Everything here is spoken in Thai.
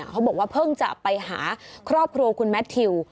เขาบอกว่าเพิ่งจะไปหาครอบครัวคุณแมททิว